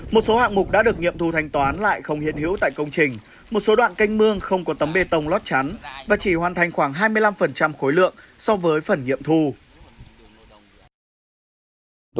một số hạng mục đã được nghiệm thu thanh toán lại không hiện hữu tại công trình một số đoạn canh mương không có tấm bê tông lót chắn và chỉ hoàn thành khoảng hai mươi năm khối lượng so với phần nghiệm thu